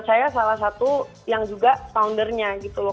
saya salah satu yang juga foundernya gitu loh